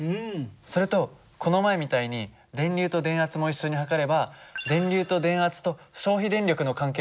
それとこの前みたいに電流と電圧も一緒に測れば電流と電圧と消費電力の関係も分かるんじゃないかな。